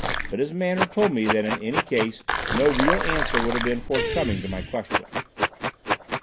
But his manner told me that in any case no real answer would have been forthcoming to my question.